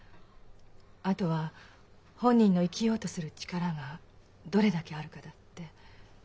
「あとは本人の生きようとする力がどれだけあるか」だって。